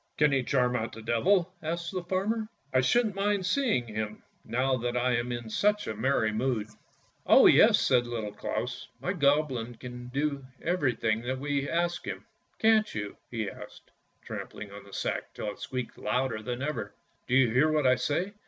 "Can he charm out the Devil?" asked the farmer. "I shouldn't mind seeing him, now that I am in such a merry mood." "Oh, yes! " said Little Claus; "my Goblin can do every thing that we ask him. Can't you? " he asked, trampling up the sack till it squeaked louder than ever. " Do you hear what I say?